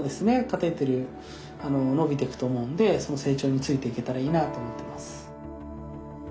カテーテル伸びていくと思うんでその成長についていけたらいいなと思ってます。